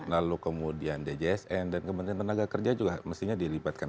lalu kemudian djsn dan kementerian tenaga kerja juga mestinya dilibatkan